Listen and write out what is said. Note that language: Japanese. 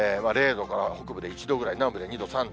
０度から北部で１度ぐらい、南部で２度、３度。